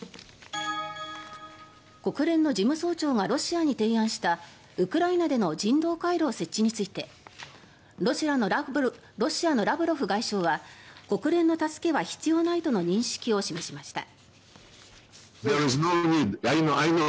国連の事務総長がロシアに提案したウクライナでの人道回廊設置についてロシアのラブロフ外相は国連の助けは必要ないとの認識を示しました。